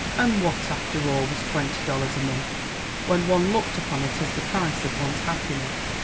And what, after all, was twenty dollars a month when one looked upon it as the price of one's happiness?